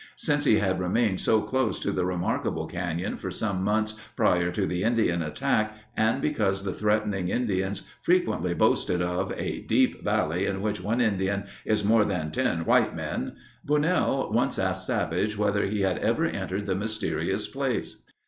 Since he had remained so close to the remarkable canyon for some months prior to the Indian attack, and because the threatening Indians frequently boasted of a "deep valley in which one Indian is more than ten white men," Bunnell once asked Savage whether he had ever entered the mysterious place.